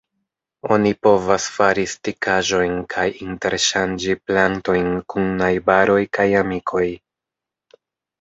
Oni povas fari stikaĵojn kaj interŝanĝi plantojn kun najbaroj kaj amikoj.